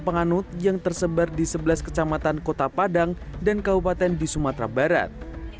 penganut yang tersebar di sebelas kecamatan kota padang dan kabupaten di sumatera barat